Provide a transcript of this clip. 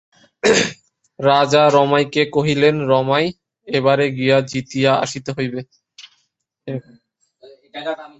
রাজা রমাইকে কহিলেন, রমাই, এবারে গিয়া জিতিয়া আসিতে হইবে।